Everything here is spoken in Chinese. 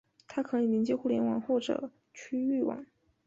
它可以连接互联网或者局域网。